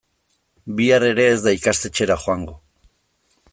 Bihar ere ez da ikastetxera joango.